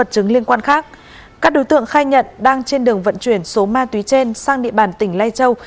các đối tượng khai nhận đang trên đường vận chuyển số ma túy trên sang địa bàn tỉnh lai châu